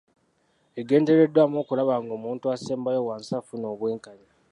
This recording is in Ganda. Egendereddwamu okulaba ng'omuntu asembayo wansi afuna obwenkanya.